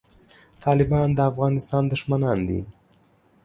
طالبان د افغانستان دښمنان دي